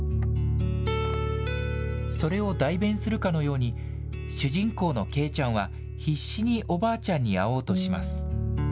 それを代弁するかのように、主人公のケイちゃんは、必死におばあちゃんに会おうとします。